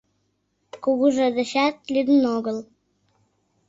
Кугыжа дечат лӱдын огыл.